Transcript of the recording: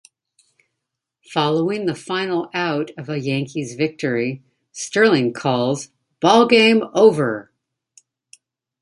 Following the final out of a Yankees victory, Sterling calls Ballgame over!